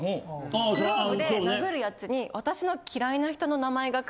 グローブで殴るやつに。